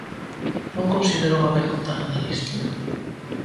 Non considerou a ben contar nada disto.